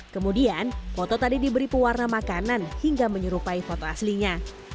kemudian foto tadi diberi pewarna makanan hingga menyerupai foto aslinya